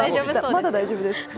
まだ大丈夫です。